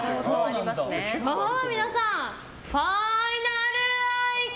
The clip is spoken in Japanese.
皆さん、ファイナル愛花？